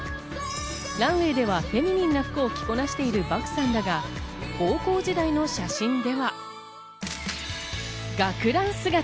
ランウェイではフェミニンな服を着こなしている漠さんだが、高校時代の写真では学ラン姿。